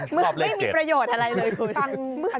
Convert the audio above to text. ไม่มีประโยชน์อะไรเลยคุณ